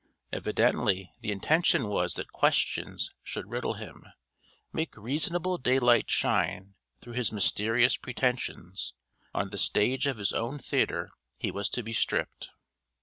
Evidently the intention was that questions should riddle him make reasonable daylight shine through his mysterious pretensions: on the stage of his own theatre he was to be stripped.